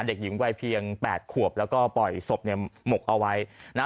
เด็กหญิงวัยเพียงแปดขวบแล้วก็ปล่อยศพเนี่ยหมกเอาไว้นะฮะ